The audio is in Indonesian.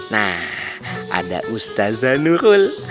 nah ada ustazah nurul